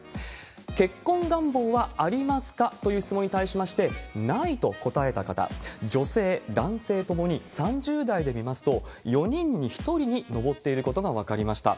結婚願望はありますか？という質問に対しまして、ないと答えた方、女性、男性ともに３０代で見ますと、４人に１人に上っていることが分かりました。